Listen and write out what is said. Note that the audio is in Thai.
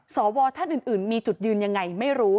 สวท่านอื่นมีจุดยืนยังไงไม่รู้